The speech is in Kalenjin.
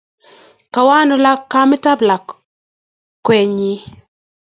Kawo ano kametap lakwani?